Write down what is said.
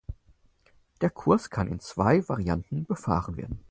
Der Kurs kann in zwei Varianten befahren werden.